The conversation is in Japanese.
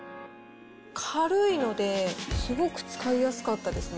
軽いので、すごく使いやすかったですね。